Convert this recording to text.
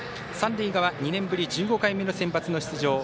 三塁側２年ぶり１５回目のセンバツの出場。